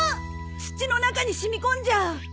土の中に染み込んじゃう。